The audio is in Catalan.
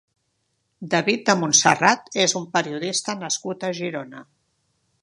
David de Montserrat és un periodista nascut a Girona.